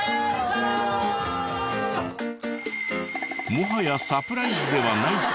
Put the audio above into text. もはやサプライズではない気もするが。